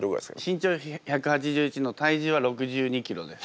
身長１８１の体重は６２ｋｇです。